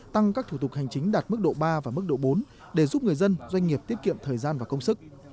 tăng các thủ tục hành chính đạt mức độ ba và mức độ bốn để giúp người dân doanh nghiệp tiết kiệm thời gian và công sức